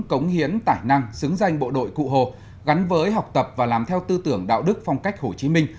cống hiến tài năng xứng danh bộ đội cụ hồ gắn với học tập và làm theo tư tưởng đạo đức phong cách hồ chí minh